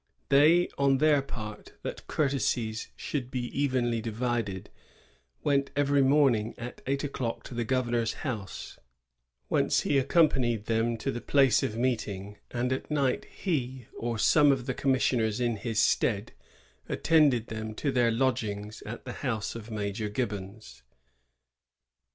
They, on their part, that courtesies should be evenly divided, went every morning at eight o'clock to the governor's house^ whence he accompanied them to the place of meet ing; and at night he, or some of the commissioners in his stead, attended them to their lodging at the house of Major Gibbons.